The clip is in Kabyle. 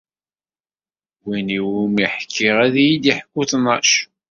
Win iwumi ḥkiɣ ad yi-d-iḥku tnac.